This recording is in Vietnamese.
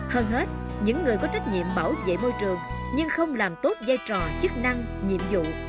hơn hết những người có trách nhiệm bảo vệ môi trường nhưng không làm tốt giai trò chức năng nhiệm vụ